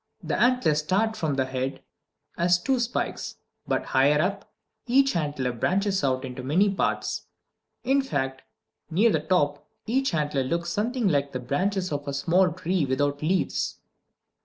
The antlers start from the head as two spikes, but higher up each antler branches out into many parts. In fact, near the top each antler looks something like the branches of a small tree without leaves.